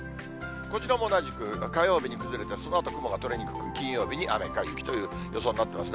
こちらも同じく火曜日に崩れてそのあと雲が取れにくく、金曜日に雨か雪という予想になっていますね。